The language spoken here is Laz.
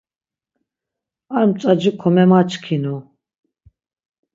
Ar mç̌aci komemaçkinu.